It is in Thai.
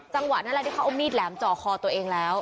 จังหวะนั้นแหละที่เขาเอามีดแหลมจ่อคอตัวเองแล้ว